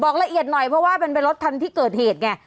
บอกละเอียดหน่อยเพราะว่าเป็นรถทางที่เกิดเหตุ